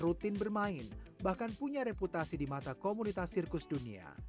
rutin bermain bahkan punya reputasi di mata komunitas sirkus dunia